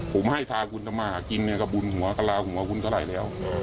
ผมให้ทากุลธรรมะกินกับบุญหัวกราวหัวมันเท่าไรแล้ว